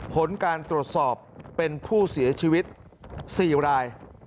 ผลการตรวจสอบเป็นผู้เสียชีวิต๔ราย